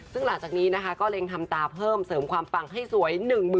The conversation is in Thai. ซึ่งหลังจากนี้นะคะก็เล็งทำตาเพิ่มเสริมความปังให้สวย๑๐๐๐